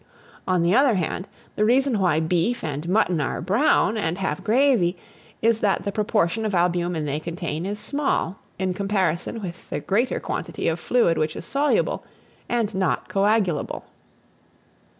On the other hand, the reason why beef and mutton are brown, and have gravy, is, that the proportion of albumen they contain, is small, in comparison with their greater quantity of fluid which is soluble, and not coagulable.